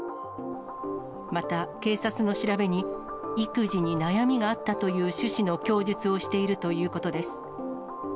また、警察の調べに、育児に悩みがあったという趣旨の供述をしているということです。